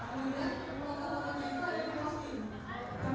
sudah cukup teman teman